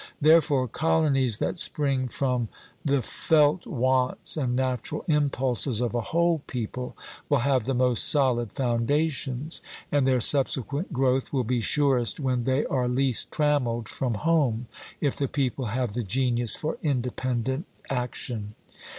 Therefore colonies that spring from the felt wants and natural impulses of a whole people will have the most solid foundations; and their subsequent growth will be surest when they are least trammelled from home, if the people have the genius for independent action.